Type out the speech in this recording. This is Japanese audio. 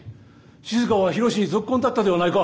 しずかは緋炉詩にぞっこんだったではないか！